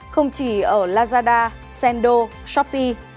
không chỉ ở lazada sendo shopee